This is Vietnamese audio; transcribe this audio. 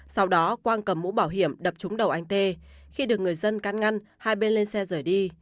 sau đó quang cầm mũ bảo hiểm đập trúng đầu anh tê khi được người dân can ngăn hai bên lên xe rời đi